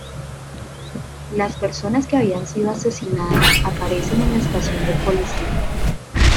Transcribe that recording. Las persona que habían sido "asesinadas" aparecen en la estación de policía.